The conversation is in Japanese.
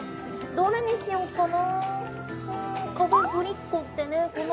どれにしようかな